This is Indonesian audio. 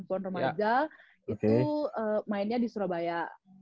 pon remaja itu mainnya di surabaya